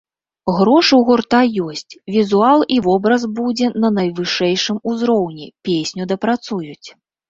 Грошы ў гурта ёсць, візуал і вобраз будзе на найвышэйшым узроўні, песню дапрацуюць.